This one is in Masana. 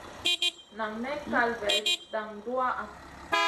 Nan may kal vaidi dan duwaha.